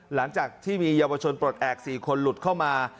หลังจากที่มีเยาวชนปลดแอบ๔คนหลุดเข้ามา